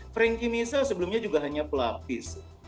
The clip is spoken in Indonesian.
frankie misa sebelumnya juga hanya pelapis